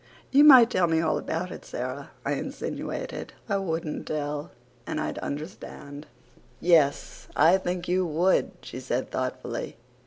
"You might tell me all about it, Sara," I insinuated. "I wouldn't tell and I'd understand." "Yes, I think you would," she said thoughtfully.